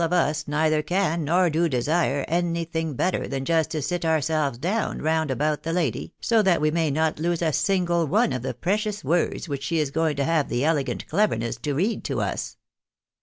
131 of US, neither can, nor do desire anything better than just to sit ourselves down round about the lady, so that we may not lose a single one of the precious words which she is going to have the elegant cleverness to read to us."